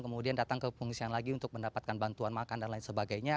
kemudian datang ke pengungsian lagi untuk mendapatkan bantuan makan dan lain sebagainya